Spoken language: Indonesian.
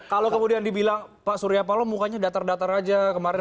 kalau kemudian dibilang pak suryapalo mukanya datar datar saja kemarin